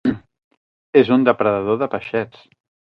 És un depredador de peixets.